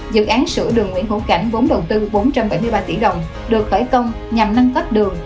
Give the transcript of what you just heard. dự án sửa đường nguyễn hữu cảnh vốn đầu tư bốn trăm bảy mươi ba tỷ đồng được khởi công nhằm nâng cấp đường